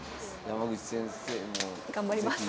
山口先生も是非頑張ります。